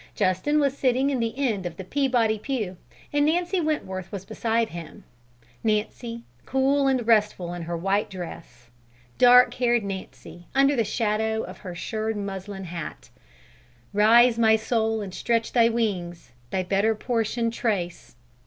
Justin was sitting in the end of the Peabody pew, and Nancy Wentworth was beside him; Nancy, cool and restful in her white dress; dark haired Nancy under the shadow of her shirred muslin hat. Rise, my soul, and stretch thy wings, Thy better portion trace.